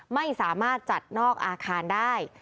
ไม่สามารถจัดนอกอาคารได้